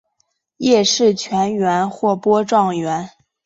叶纸全缘或波状缘。